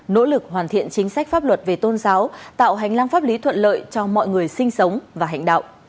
nỗ lực hoàn thiện chính sách pháp luật về tôn giáo tạo hành lang pháp lý thuận lợi cho mọi người sinh sống và hạnh đạo